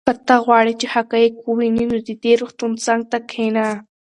که ته غواړې چې حقایق ووینې نو د دې روغتون څنګ ته کښېنه.